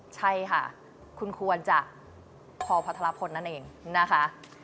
ใช่ค่ะคุณควรจะพอพัทรพลนั่นเองนะคะ